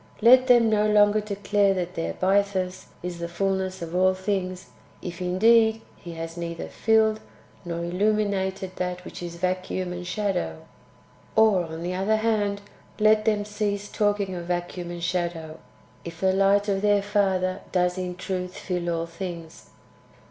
Let them then no longer declare that their Bythus is the fulness of all things, if indeed he has neither filled nor illuminated that which is vacuum and shadow ; or, on the other hand, let them cease talkino; of vacuum and shadow, if the light of their Father does in truth fill all thinc^s.